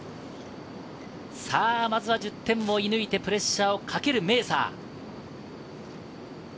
まずは１０点を射抜いてプレッシャーをかけるメーサー。